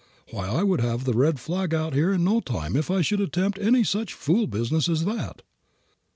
Why I would have the red flag out here in no time if I should attempt any such fool business as that."